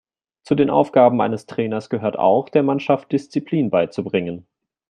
Zu den Aufgaben eines Trainers gehört auch, der Mannschaft Disziplin beizubringen.